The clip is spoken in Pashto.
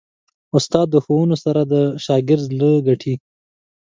استاد د ښوونو سره د شاګرد زړه ګټي.